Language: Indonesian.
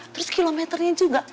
terus kilometernya juga